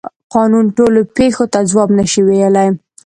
قانون ټولو پیښو ته ځواب نشي ویلی.